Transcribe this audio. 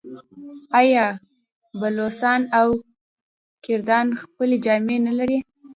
آیا بلوڅان او کردان خپلې جامې نلري؟